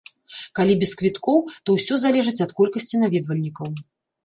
Калі без квіткоў, то ўсё залежыць ад колькасці наведвальнікаў.